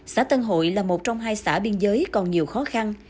xã tân hội là một trong hai xã biên giới còn nhiều khó khăn